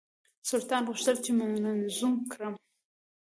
سلطان غوښتل چې منظوم کړي.